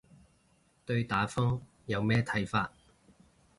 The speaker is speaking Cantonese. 對打風有咩睇法